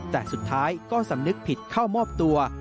แต่สุดท้ายก็สำนึกผิดเข้ามอบตัว